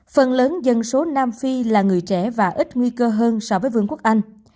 phần lớn dân số nam phi là người trẻ và ít nguy cơ hơn so với vương quốc anh